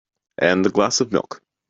And a glass of milk.